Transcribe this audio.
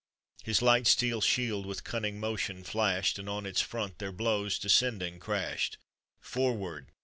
His light steel shield with cunning motion flashed, And on its front their blows descending crashed. Forward!